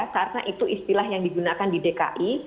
karena itu istilah yang digunakan di dki